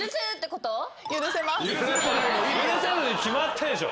許せるに決まってるでしょ。